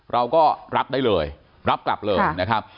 เราก็รับได้เลยรับกลับเลยนะครับ